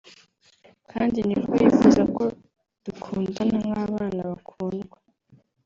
kandi ni rwo yifuza ko dukundana nk’abana bakundwa